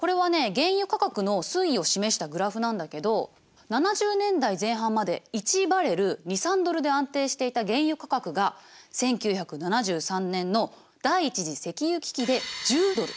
原油価格の推移を示したグラフなんだけど７０年代前半まで１バレル２３ドルで安定していた原油価格が１９７３年の第１次石油危機で１０ドル。